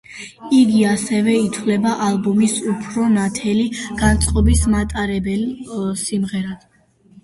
იგი ასევე ითვლება ალბომის უფრო ნათელი განწყობის მატარებელ სიმღერად.